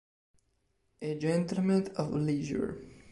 A Gentleman of Leisure